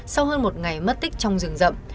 sau hơn một ngày mất tích trong rừng rậm